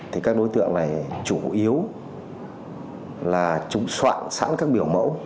thì các đối tượng này chủ yếu là chúng soạn sẵn các biểu mẫu